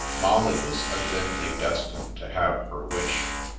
Molly was evidently destined to have her wish.